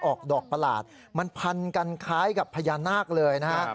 ออกดอกประหลาดมันพันกันคล้ายกับพญานาคเลยนะฮะ